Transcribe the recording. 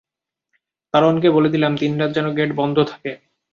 দারোয়ানকে বলে দিলাম দিনরাত যেন গেট বন্ধ থাকে।